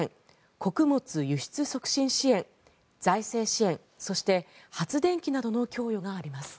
穀物輸出促進支援、財政支援そして発電機などの供与があります。